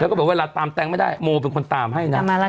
แล้วก็แบบเวลาตามแต้งไม่ได้โมเป็นคนตามให้น่ะมาแล้ว